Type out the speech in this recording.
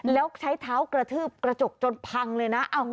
แล้วใช้เท้ากระทืบกระจกจนพังเลยนะ